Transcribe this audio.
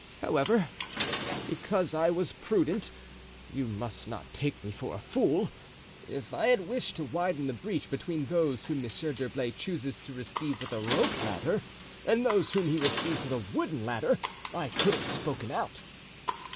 However, because I was prudent you must not take me for a fool. If I had wished to widen the breach between those whom Monsieur d'Herblay chooses to receive with a rope ladder and those whom he receives with a wooden ladder, I could have spoken out."